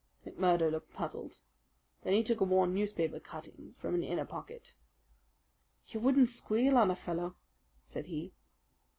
McMurdo looked puzzled. Then he took a worn newspaper cutting from an inner pocket. "You wouldn't squeal on a fellow?" said he.